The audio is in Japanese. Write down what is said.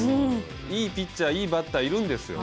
いいピッチャー、いいバッターがいるんですよ。